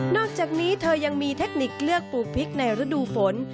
อกจากนี้เธอยังมีเทคนิคเลือกปลูกพริกในฤดูฝน